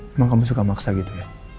emang kamu suka maksa gitu ya